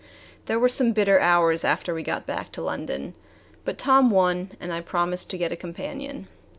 There were some bitter hours after we got back to London. But Tom won, and I promised to get a companion.